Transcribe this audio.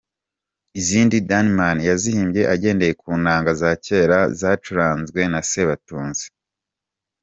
Izindi Danneman yazihimbye agendeye ku nanga za kera zacuranzwe na Sebatunzi.